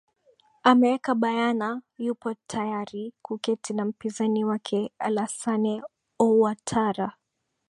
ameweka bayana yupo tayari kuketi na mpinzani wake alassane ouattara